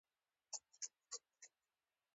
ويره او شرم ښځو ته منسوب دوه هغه منسوب خصوصيتونه دي،